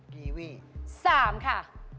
กีวี๓ค่ะ